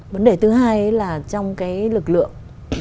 vấn đề thứ hai là trong cái lực lượng